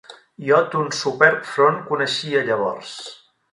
Jo ton superb front coneixia llavors